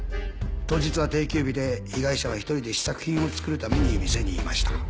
当日は定休日で被害者は１人で試作品を作るために店にいました。